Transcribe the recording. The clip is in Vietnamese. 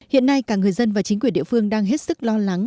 hiện nay cả người dân và chính quyền địa phương đang hết sức lo lắng